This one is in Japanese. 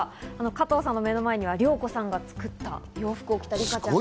加藤さんの目の前には涼子さんが作った洋服を着たリカちゃん。